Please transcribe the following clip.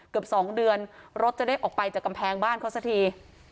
เกือบ๒เดือนรถจะได้ออกไปจากกำแพงบ้านเขาสักที